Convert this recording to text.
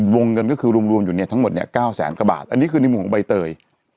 วงเงินก็รวมอยู่ทั้งหมด๙แสนกระบาทอันนี้คือในหมู่ของใบเตย